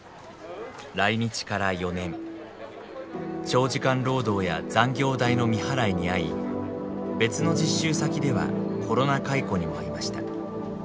長時間労働や残業代の未払いに遭い別の実習先ではコロナ解雇にも遭いました。